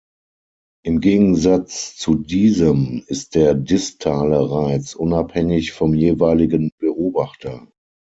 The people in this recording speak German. Im Gegensatz zu diesem ist der distale Reiz unabhängig vom jeweiligen Beobachter.